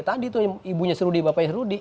tadi tuh ibunya si rudy bapaknya si rudy